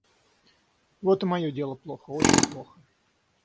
Вот и мое дело плохо, очень плохо.